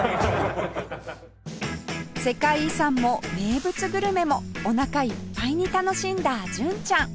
世界遺産も名物グルメもおなかいっぱいに楽しんだ純ちゃん